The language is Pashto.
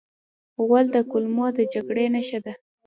غول د کولمو د جګړې نښه ده.